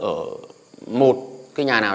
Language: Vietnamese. ở một cái nhà nào